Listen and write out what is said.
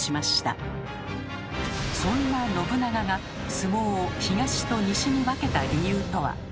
そんな信長が相撲を東と西に分けた理由とは？